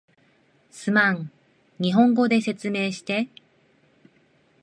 すまん、日本語で説明して